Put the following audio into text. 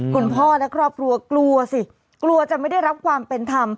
คุณพ่อและครอบครัวกลัวสิกลัวจะไม่ได้รับความเป็นธรรม